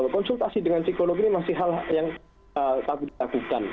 konsultasi dengan psikolog ini masih hal yang takut takutan